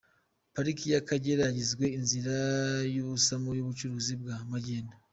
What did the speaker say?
Pariki y’Akagera yagizwe inzira y’ubusamo y’ubucuruzi bwa magendu